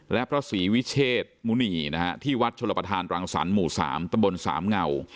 และพระศรีวิเชษมุณีนะฮะที่วัดชลประธานรังสรรคหมู่๓ตะบนสามเงา